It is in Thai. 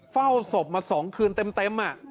เฝ้าสบมาสองคืนเต็มอ่ะ